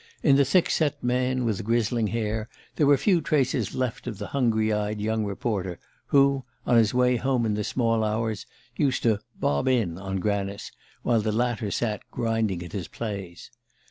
In the thick set man with grizzling hair there were few traces left of the hungry eyed young reporter who, on his way home in the small hours, used to "bob in" on Granice, while the latter sat grinding at his plays.